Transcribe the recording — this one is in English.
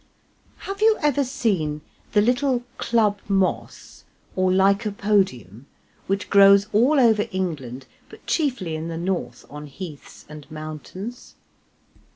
Have you ever seen the little club moss or Lycopodium which grows all over England, but chiefly in the north, on heaths and mountains?